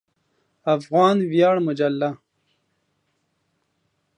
افغان ویاړ مجله